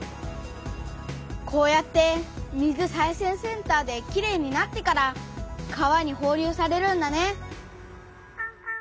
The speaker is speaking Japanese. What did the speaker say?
こうやって水再生センターできれいになってから川にほう流されるんだね。